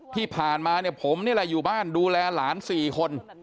ที่ผ่านมาเนี่ยผมนี่แหละอยู่บ้านดูแลหลาน๔คน